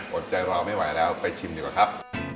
อดใจรอไม่ไหวแล้วไปชิมดีกว่าครับ